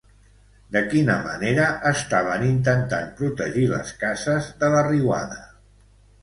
De quina manera estaven intentant protegir les cases de la riuada?